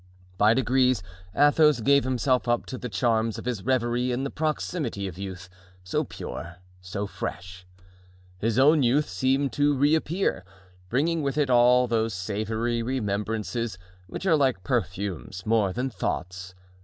By degrees Athos gave himself up to the charms of his reverie in the proximity of youth, so pure, so fresh. His own youth seemed to reappear, bringing with it all those savoury remembrances, which are like perfumes more than thoughts.